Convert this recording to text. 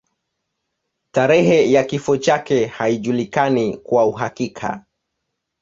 Tarehe ya kifo chake haijulikani kwa uhakika.